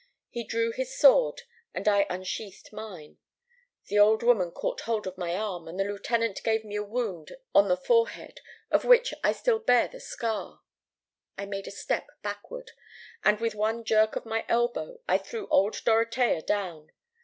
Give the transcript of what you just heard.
He drew his sword, and I unsheathed mine. The old woman caught hold of my arm, and the lieutenant gave me a wound on the forehead, of which I still bear the scar. I made a step backward, and with one jerk of my elbow I threw old Dorotea down.